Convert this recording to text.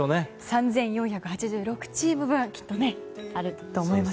３４８６チーム分きっとあると思います。